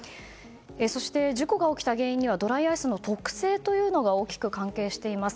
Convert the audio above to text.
そして、事故が起きた原因にはドライアイスの特性というのが大きく関係しています。